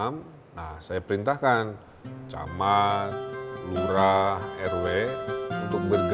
masukkan ke kota bandung